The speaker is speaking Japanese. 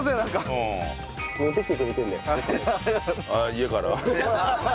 家から？